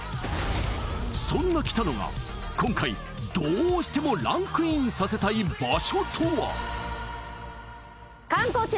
そんな北乃が今回どうしてもランクインさせたい場所とは？